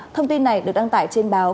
thông tin này được đăng tải trên báo